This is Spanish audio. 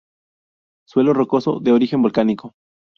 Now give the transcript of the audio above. Suelo rocoso de origen volcánico.